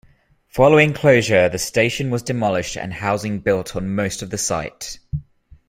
Following closure the station was demolished and housing built on most of the site.